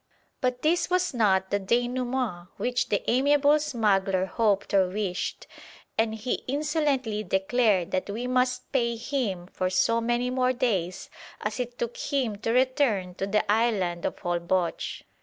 But this was not the dénouement which the amiable smuggler hoped or wished, and he insolently declared that we must pay him for so many more days as it took him to return to the island of Holboch.